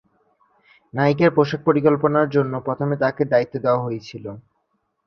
নায়িকার পোশাক-পরিকল্পনার জন্য প্রথমে তাকে দায়িত্ব দেওয়া হয়েছিল।